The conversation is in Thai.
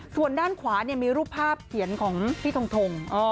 ส่วนด้านขวามีรูปภาพเขียนของพี่ทง